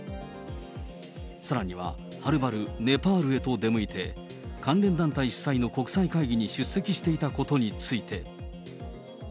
さらには、はるばるネパールへと出向いて、関連団体主催の国際会議に出席していたことについて。